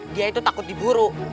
ya itu takut diburu